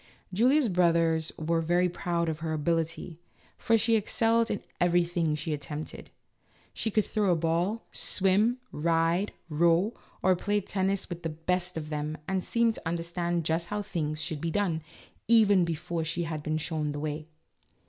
Julia's brothers were very proud of her ability, for she excelled in everything which she attempted ; she could throw a ball, swim, ride, row, or play tennis A LITTLE STUDY IN COMMON SENSE. 83 with the best of them, and seemed to understand just how things should be done, even before she had been shown the way.